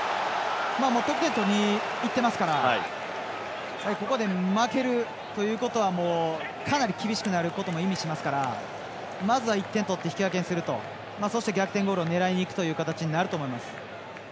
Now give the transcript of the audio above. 得点を取りにいっていますからここで負けるということはかなり厳しくなることも意味しますからまずは１点取って引き分けにすると逆転ゴールを狙いにいくという形になると思います。